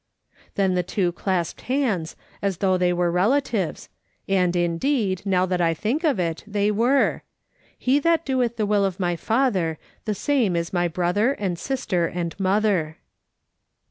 Then the two clasped hands, as though they were relatives, and, indeed, now that I think of it, they were :" He that doeth the will of my Father, the same is my brother, and sister, and mother."